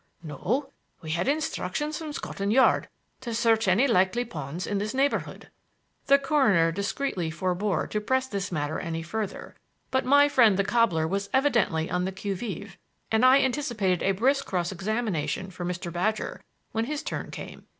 "No. We had instructions from Scotland Yard to search any likely ponds in this neighborhood." The coroner discreetly forbore to press this matter any further, but my friend the cobbler was evidently on the qui vive, and I anticipated a brisk cross examination for Mr. Badger when his turn came.